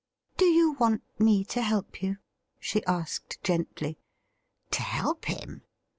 ' Do you want me to help you ?' she asked gently. To help him